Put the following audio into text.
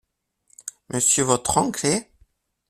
Monsieur votre oncle est ?…